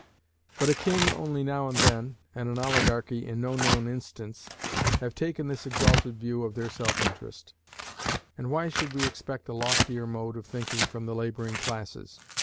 But a king only now and then, and an oligarchy in no known instance, have taken this exalted view of their self interest; and why should we expect a loftier mode of thinking from the laboring classes?